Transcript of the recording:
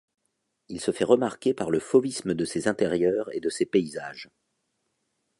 Il se fait remarquer par le fauvisme de ses intérieurs et de ses paysages.